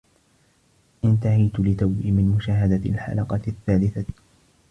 انتهيت لتوّي من مشاهدة الحلقة الثالثة.